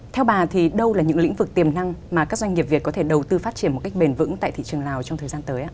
theo bà thì đâu là những lĩnh vực tiềm năng mà các doanh nghiệp việt có thể đầu tư phát triển một cách bền vững tại thị trường lào trong thời gian tới ạ